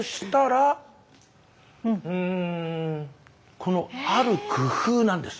この「ある工夫」なんです。